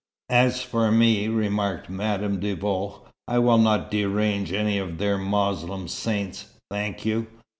"As for me," remarked Madame de Vaux, "I will not derange any of their Moslem saints, thank you.